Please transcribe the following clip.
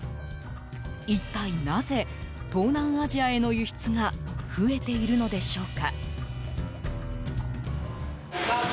一体なぜ、東南アジアへの輸出が増えているのでしょうか？